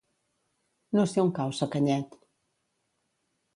No sé on cau Sacanyet.